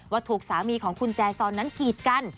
ว่าถูกสามีของคุณแจซอนนั้นกีดกัน